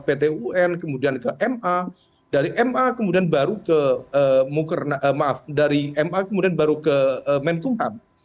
pt un kemudian ke ma dari ma kemudian baru ke muker maaf dari ma kemudian baru ke menkumham